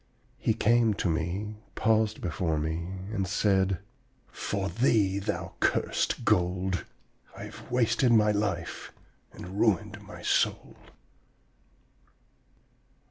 He came to me, paused before me, and said: 'For thee, thou cursed gold, I have wasted my life and ruined my soul!'